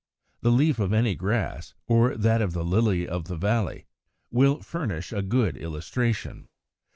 The leaf of any grass, or that of the Lily of the Valley (Fig. 113) will furnish a good illustration.